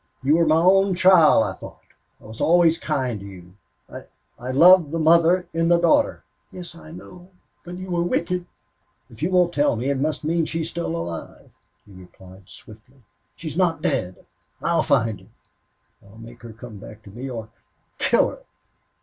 "You were my own child, I thought. I was always kind to you. I I loved the mother in the daughter." "Yes, I know.... But you were wicked." "If you won't tell me it must mean she's still alive," he replied, swiftly. "She's not dead;... I'll find her. I'll make her come back to me or kill her...